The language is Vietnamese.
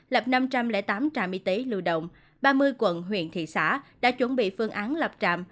lập năm trăm linh tám trạm y tế lưu động ba mươi quận huyện thị xã đã chuẩn bị phương án lập trạm